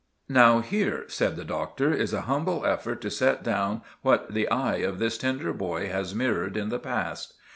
"Now, here," said the Doctor, "is a humble effort to set down what the eye of this tender boy has mirrored in the past.